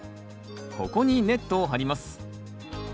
ここにネットを張ります。